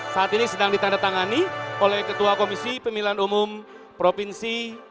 saat ini sedang ditandatangani oleh ketua komisi pemilihan umum provinsi